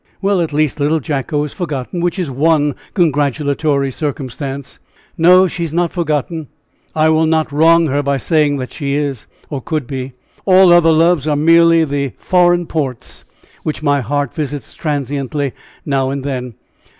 "Well, at least little Jacko is forgotten, which is one congratulatory circumstance." "No, she is not forgotten; I will not wrong her by saying that she is, or could be! All other loves are merely the foreign ports, which my heart visits transiently now and then.